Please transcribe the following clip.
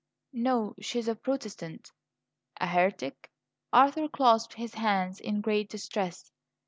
"No; she is a Protestant." "A heretic?" Arthur clasped his hands in great distress.